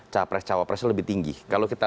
capres cawapresnya lebih tinggi kalau kita